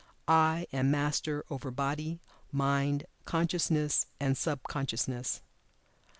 "I" am master over Body, Mind, Consciousness, and Sub consciousness.